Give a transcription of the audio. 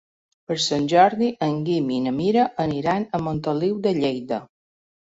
Per Sant Jordi en Guim i na Mira aniran a Montoliu de Lleida.